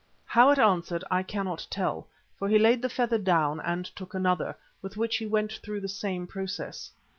How it answered, I cannot tell, for he laid the feather down and took another, with which he went through the same process.